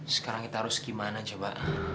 sekarang kita harus gimana coba